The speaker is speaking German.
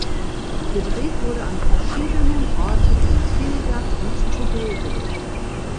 Gedreht wurde an verschiedenen Orten in Trinidad und Tobago.